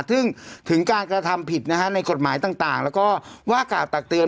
ถึงการกระทำผิดในกฎหมายต่างแล้วก็ว่ากากตักเตือน